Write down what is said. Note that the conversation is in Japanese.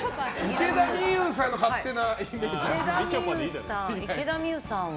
池田美優さんの勝手なイメージありますか？